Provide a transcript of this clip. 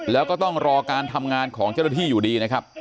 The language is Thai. แล้วก็ต้องรอการทำงานของเจ้าหน้าที่อยู่ดีนะครับ